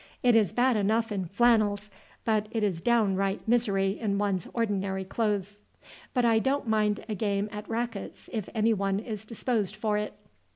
It is bad enough in flannels, but it is downright misery in one's ordinary clothes. But I don't mind a game at rackets, if anyone is disposed for it."